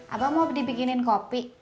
abang mau dibikinin kopi